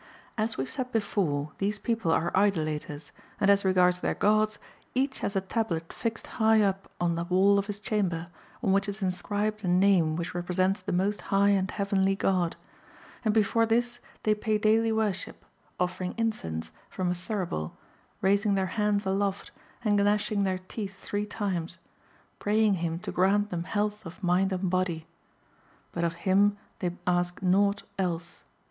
As we have said before, these people are Idolaters, and as regards their gods, each has a tablet fixed high up on the wall of his chamber, on which is inscribed a name which represents the Most High and Heavenly God ; and before this they pay daily worship, offering incense from a thurible, raisino their hands aloft, and enashine their teeth ^ three times, praying Him to grant them health of mind and body; but of Him they ask nought else.